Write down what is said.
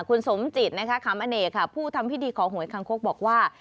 คุณสมจิตนะคะขามอเนกค่ะผู้ทำพิธีขอหวยคางคกบอกว่า